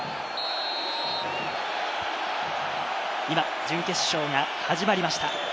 今、準決勝が始まりました。